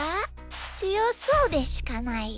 つよそうでしかないよ。